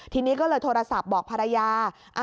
ทีนี้ก็เลยโทรศัพท์บอกภรรยา